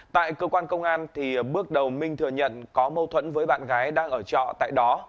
tại cơ quan công an bước đầu minh thừa nhận có mâu thuẫn với bạn gái đang ở trọ tại đó